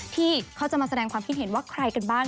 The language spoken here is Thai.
ที่เขาจะมาแสดงความคิดเห็นว่าใครกันบ้าง